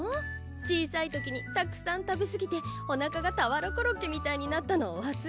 小さい時にたくさん食べすぎておなかが俵コロッケみたいになったのをわすれたの？